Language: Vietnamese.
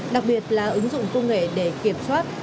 đặc biệt là ứng dụng công nghệ để kiểm soát